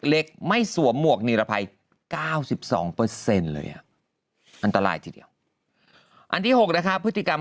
เล็กไม่สวมหมวกนิรภัย๙๒เลยอันตรายที่เดียวอันที่๖นะคะพฤติกรรม